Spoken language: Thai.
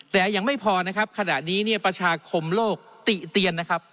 แต่อย่างไม่พอคราดนี้ประชาคมโลกติเลน